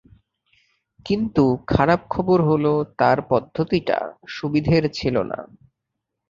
কিন্তু, খারাপ খবর হলো, তার পদ্ধতিটা সুবিধের ছিলো না।